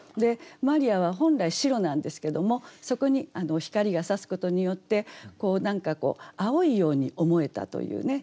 マリアは本来白なんですけどもそこに光がさすことによって青いように思えたというね。